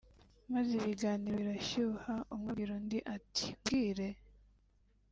maze ibiganiro birashyuha umwe abwira undi ati “nkubwire